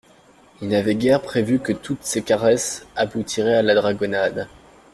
Ils n'avaient guère prévu que toutes ces caresses aboutiraient à la dragonnade.